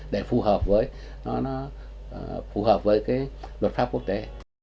để phù hợp với luật pháp quốc tế